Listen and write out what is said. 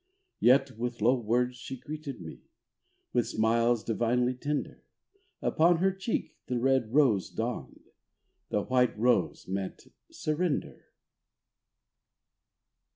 Yet with low words she greeted me, With smiles divinely tender; Upon her cheek the red rose dawned, The white rose meant surrender.